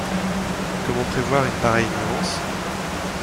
Comment prévoir une pareille ignorance ?